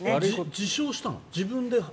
自称したの？